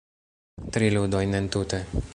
Tri ludojn entute